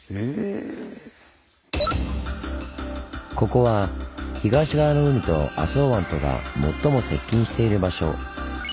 ここは東側の海と浅茅湾とが最も接近している場所。